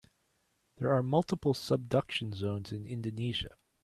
There are multiple subduction zones in Indonesia.